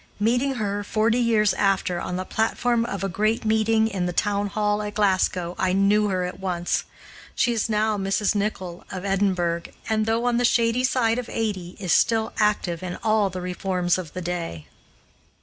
Meeting her, forty years after, on the platform of a great meeting in the Town Hall at Glasgow, I knew her at once. She is now Mrs. Nichol of Edinburgh, and, though on the shady side of eighty, is still active in all the reforms of the day.